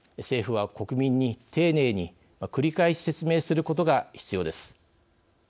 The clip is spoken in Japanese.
政府は、国民に丁寧に繰り返し説明することが必要です。